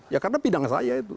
ya karena bidang saya itu